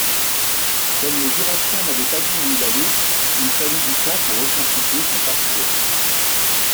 Comme le Jurassien n’avait pas dit où il allait, il a fallu du temps pour reconstituer son parcours.